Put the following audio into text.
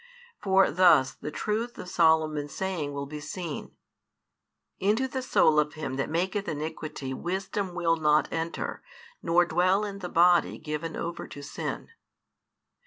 For thus the truth of Solomon's saying will be seen: Into the soul of him that maketh iniquity wisdom will not enter, nor dwell in the body given over to sin.